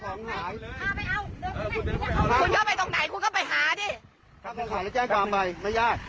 คุณเข้าไปหาแล้วแจ้งความใหม่ไม่ยาก